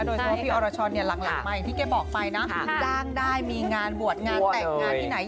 โดยเฉพาะพี่อรชรหลังมาอย่างที่แกบอกไปนะจ้างได้มีงานบวชงานแต่งงานที่ไหน